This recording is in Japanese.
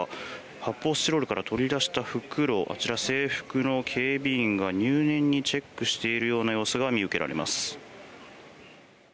発泡スチロールから取り出した袋を制服の警備員が入念にチェックしているような様子が見受けられます。